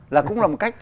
là cũng là một cách